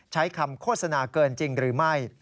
ใช้คำโฆษณาเกินจริงหรือไม่